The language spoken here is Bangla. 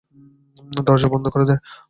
দরজা বন্ধ করে দে!